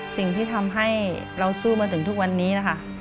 สิ่งที่ทำให้เราสู้มาถึงทุกวันนี้นะคะ